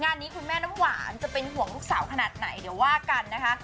งานนี้คุณแม่น้ำหวานจะเป็นห่วงลูกสาวขนาดไหนเดี๋ยวว่ากันนะคะ